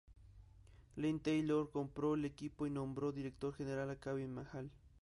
Glen Taylor compró el equipo y nombró director general a Kevin McHale.